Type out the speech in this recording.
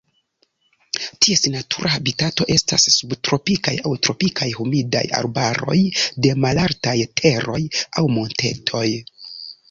Ties natura habitato estas subtropikaj aŭ tropikaj humidaj arbaroj de malaltaj teroj aŭ montetoj.